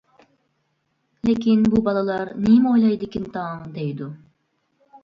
لېكىن بۇ بالىلار نېمە ئويلايدىكىن تاڭ دەيدۇ.